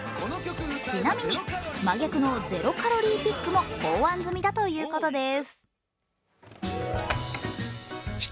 ちなみに真逆の０カロリーピックも考案済みということです。